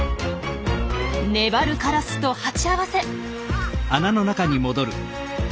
ねばるカラスと鉢合わせ。